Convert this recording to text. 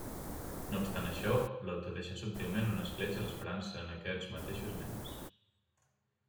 No obstant això, l'autor deixa subtilment una escletxa a l'esperança en aquests mateixos nens.